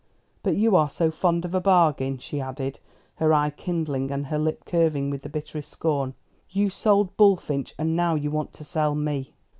But you are so fond of a bargain," she added, her eye kindling and her lip curving with bitterest scorn. "You sold Bullfinch, and now you want to sell me."